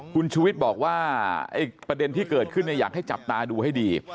คุณชูวิทย์บอกว่าประเด็นที่เกิดขึ้นอยากให้จับตาดูให้ดี